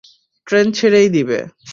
Train ছেড়েই দিবে।